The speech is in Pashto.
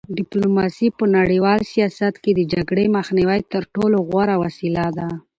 ډیپلوماسي په نړیوال سیاست کې د جګړې د مخنیوي تر ټولو غوره وسیله ده.